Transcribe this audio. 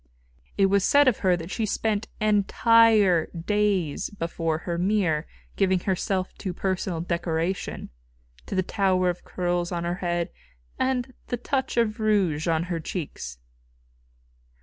It was said of her that she spent entire days before her mirror giving herself to personal decoration to the tower of curls on her head and the touch of rouge on her cheeks.